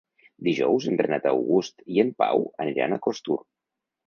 Dijous en Renat August i en Pau aniran a Costur.